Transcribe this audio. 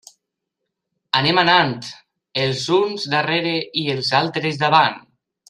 Anem anant, els uns darrere i els altres davant.